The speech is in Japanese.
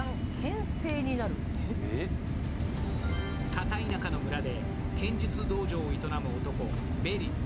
片田舎の村で剣術道場を営む男、ベリル。